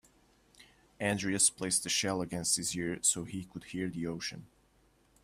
Andreas placed the shell against his ear so he could hear the ocean.